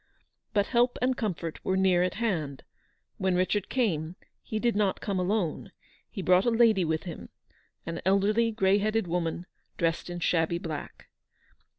But help and comfort were near at hand. "When Richard came, he did not come alone. GOOD SAMARITANS. 155 He brought a lady with him; an elderly, grey headed woman, dressed in shabby black.